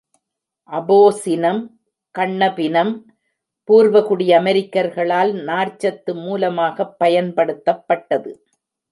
"அபோசினம் கண்ணபினம்" பூர்வகுடி அமெரிக்கர்களால் நார்ச்சத்து மூலமாகப் பயன்படுத்தப்பட்டது.